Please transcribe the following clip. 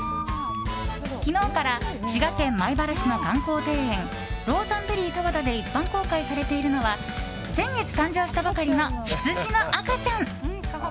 昨日から滋賀県米原市の観光庭園ローザンベリー多和田で一般公開されているのは先月、誕生したばかりのヒツジの赤ちゃん。